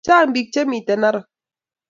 Chang pik che miten narok